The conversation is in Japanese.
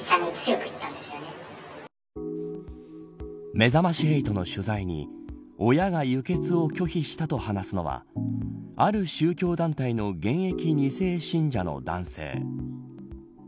めざまし８の取材に親が輸血を拒否したと話すのはある宗教団体の現役２世信者の男性。